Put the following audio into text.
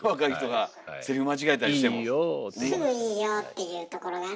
すぐ「いぃよぉ」って言うところがね。